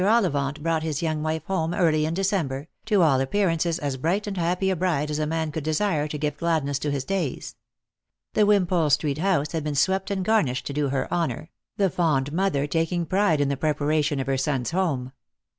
Ollivant brought his young wife home early in December, to all appearances as bright and happy a bride as a man could desire to give gladness to his days. The Wimpole street house had been swept and garnished to do her honour, the fond mother taking pride in the preparation of her son's home.